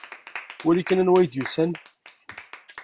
Wali kan anwa i d-yusan?